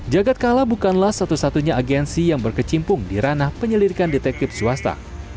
jagad kala bukanlah satu satunya agensi yang berkecimpung di ranah penyelidikan detektif swasta